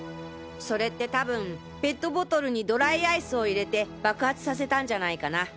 それって多分ペットボトルにドライアイスを入れて爆発させたんじゃないかな。